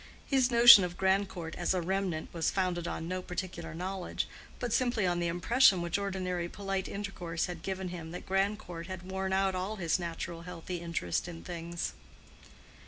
His notion of Grandcourt as a "remnant" was founded on no particular knowledge, but simply on the impression which ordinary polite intercourse had given him that Grandcourt had worn out all his natural healthy interest in things.